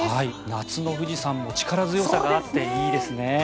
夏の富士山も力強さがあっていいですね。